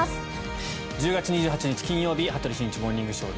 １０月２８日、金曜日「羽鳥慎一モーニングショー」。